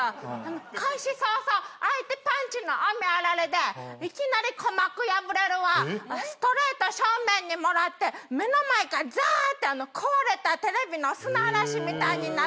開始早々相手パンチの雨あられでいきなり鼓膜破れるわストレート正面にもらって目の前がザーッて壊れたテレビの砂嵐みたいになったり。